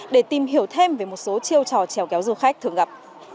để tìm hiểu thêm về một số chiêu trò trèo kéo du khách thường gặp